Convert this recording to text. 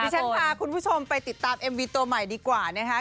ฉันพาคุณผู้ชมไปติดตามเอ็มวีตัวใหม่ดีกว่านะคะ